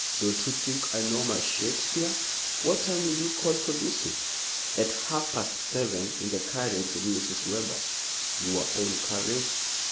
"Don't you think I know my Shakespeare? What time will you call for Lucy?" "At half past seven in the carriage with Mrs. Webber." "Your own carriage?"